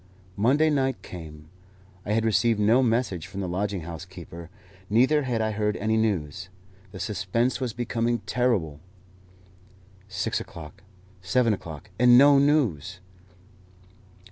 Monday night came. I had received no message from the lodging house keeper, neither had I heard any news. The suspense was becoming terrible. Six o'clock! Seven o'clock, and no news!